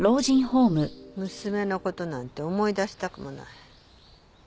娘の事なんて思い出したくもない。